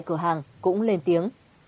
cửa hàng cũng lên tiếng